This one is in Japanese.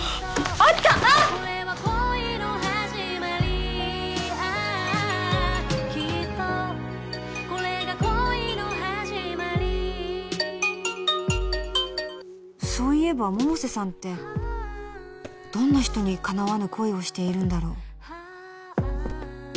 あっそういえば百瀬さんってどんな人にかなわぬ恋をしているんだろう？